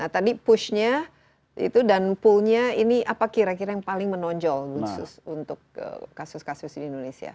tadi pushnya itu dan poolnya ini apa kira kira yang paling menonjol khusus untuk kasus kasus di indonesia